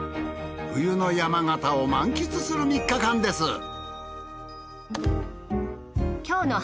冬の山形を満喫する３日間です。